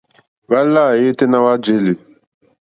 Hwá lâ yêténá hwá jēlì.